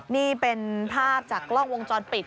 นี่เป็นภาพจากกล้องวงจรปิด